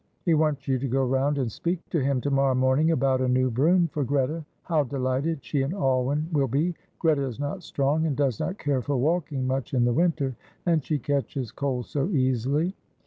He wants you to go round and speak to him tomorrow morning about a new brougham for Greta. How delighted she and Alwyn will be. Greta is not strong and does not care for walking much in the winter, and she catches cold so easily."